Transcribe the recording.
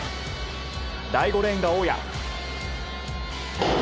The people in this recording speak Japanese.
第５レーンが大矢。